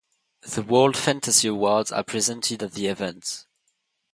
The World Fantasy Awards are presented at the event.